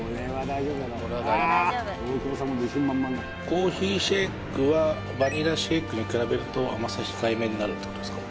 コーヒーシェイクはバニラシェイクに比べると甘さ控えめになるってことですか？